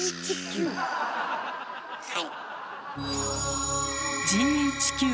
はい。